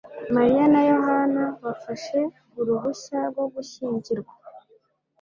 Mariya na Yohana bafashe uruhushya rwo gushyingirwa